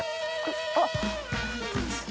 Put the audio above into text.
あっ！